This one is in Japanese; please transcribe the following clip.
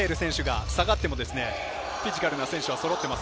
ゴベール選手が下がってもフィジカルな選手がそろっています。